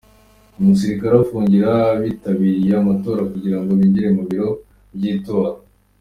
Umusirikare afungurira abitabiriye amatora kugira ngo binjire ku biro by’itora